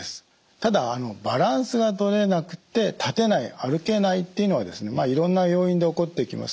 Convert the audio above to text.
ただバランスがとれなくて立てない歩けないというのはいろんな要因で起こってきます。